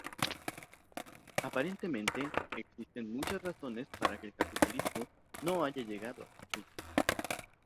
Aparentemente, existen muchas razones para que el capitalismo no haya llegado a su fin.